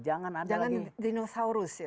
jangan ada lagi dinosaurus ya